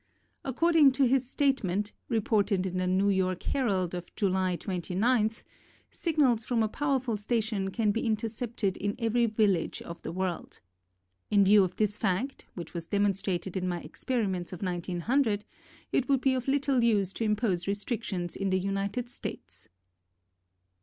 According to his statement, reported in the New York Herald of July 29th, sig nals from a powerful station can be inter cepted in every village of the world. In view of this fact, which was demonstrated in my experiments of 1900, it would be of little use to impose restrictions in the United States.